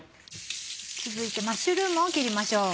続いてマッシュルームを切りましょう。